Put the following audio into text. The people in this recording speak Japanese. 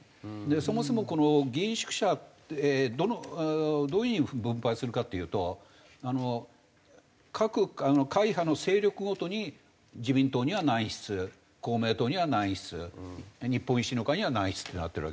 そもそもこの議員宿舎ってどういう風に分配するかっていうと各会派の勢力ごとに自民党には何室公明党には何室日本維新の会には何室ってなってるわけです。